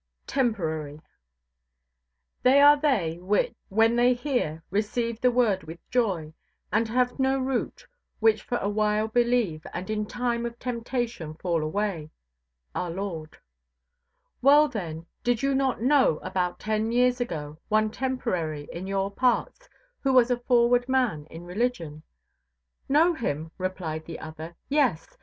TEMPORARY "They are they, which, when they hear, receive the word with joy; and have no root, which for a while believe, and in time of temptation fall away." Our Lord. "Well, then, did you not know about ten years ago one Temporary in your parts who was a forward man in religion? Know him! replied the other. Yes.